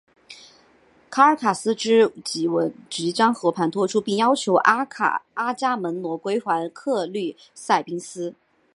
卡尔卡斯闻之即和盘托出并要求阿伽门侬归还克律塞伊斯。